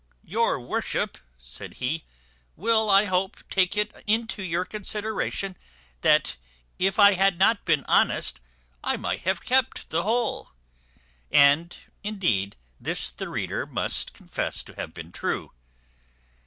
Your worship," said he, "will, I hope, take it into your consideration that if I had not been honest I might have kept the whole." And, indeed, this the reader must confess to have been true.